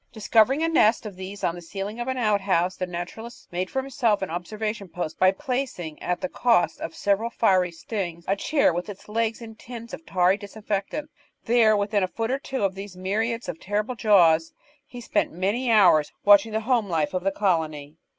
Discovering a nest of these on the ceiling of an outhouse, the naturalist made for himself an observation post by placing, at the cost of several fiery stings, a chair with its legs in tins of a tarry disinfectant. There, within a foot or two of these myriads of terrible jaws, he spent many hours watching the home life of the colony.